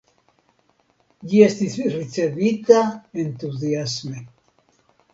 Ĝi estis ricevita entuziasme.